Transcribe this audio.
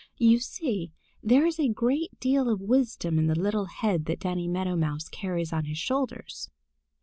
You see there is a great deal of wisdom in the little head that Danny Meadow Mouse carries on his shoulders.